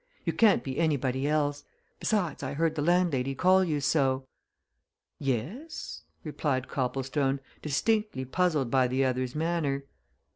"You can't be anybody else besides, I heard the landlady call you so." "Yes," replied Copplestone, distinctly puzzled by the other's manner.